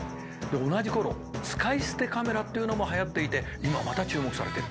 同じ頃使い捨てカメラっていうのもはやっていて今また注目されてる。